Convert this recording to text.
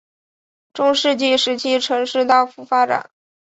中世纪时期城市大幅发展。